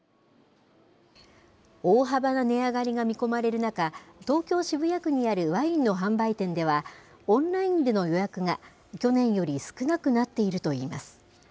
大幅な値上がりが見込まれる中、東京・渋谷区にあるワインの販売店では、オンラインでの予約が去年より少なくなっているといいます。